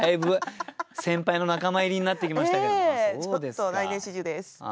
ちょっと来年４０です。